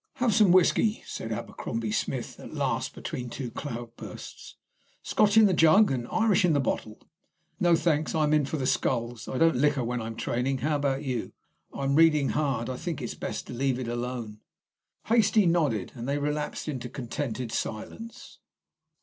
"Have some whisky," said Abercrombie Smith at last between two cloudbursts. "Scotch in the jug and Irish in the bottle." "No, thanks. I'm in for the sculls. I don't liquor when I'm training. How about you?" "I'm reading hard. I think it best to leave it alone." Hastie nodded, and they relapsed into a contented silence.